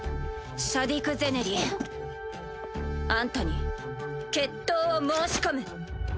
シャディク・ゼネリあんたに決闘を申し込む。